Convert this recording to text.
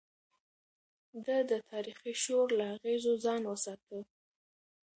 ده د تاريخي شور له اغېزو ځان وساته.